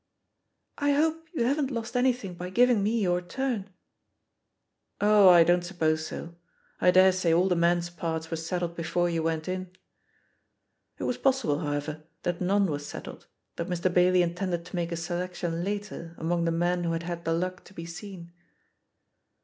"I hope you haven't lost anything by giving me your turn?'* "Oh, I don't suppose so; I daresay aU the men's parts were settled before you went in." It was possible, however, that none was settled, that Mr. Bailey intended to make his selection later among the men who had had the luck to be seen.